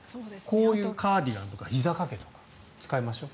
こういうカーディガンとかひざ掛けとか使いましょう。